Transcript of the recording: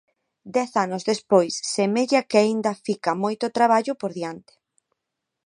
Dez anos despois, semella que aínda fica moito traballo por diante.